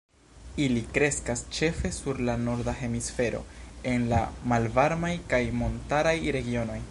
Ili kreskas ĉefe sur la norda hemisfero, en la malvarmaj kaj montaraj regionoj.